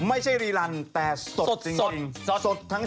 ไม่ใช่รีลันแต่สดจริง